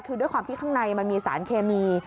คือด้วยความที่ข้างในมันมีสารเคมี